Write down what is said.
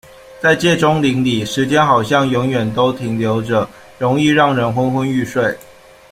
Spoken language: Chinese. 在界中林里，时间好像永远都停留着，容易让人昏昏欲睡。